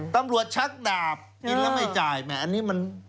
ชักดาบกินแล้วไม่จ่ายแหมอันนี้มัน